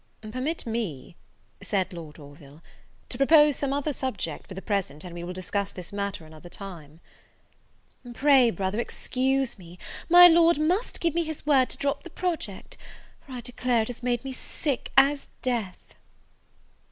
"Permit me," said Lord Orville, "to propose some other subject for the present, and we will discuss this matter another time." "Pray, brother, excuse me; my Lord must give me his word to drop the project, for I declare it has made me sick as death."